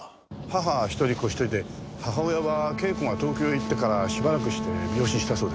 母一人子一人で母親は啓子が東京へ行ってからしばらくして病死したそうです。